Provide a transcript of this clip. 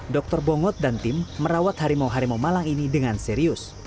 dr bongot dan tim merawat harimau harimau malang ini dengan serius